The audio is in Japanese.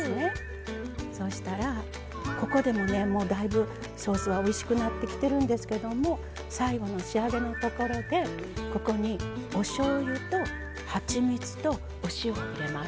そしたら、ここでもねだいぶ、ソースはおいしくなってきているんですけども最後の仕上げのところでここに、おしょうゆとはちみつとお塩を入れます。